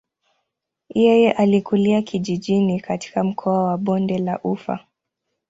Yeye alikulia kijijini katika mkoa wa bonde la ufa.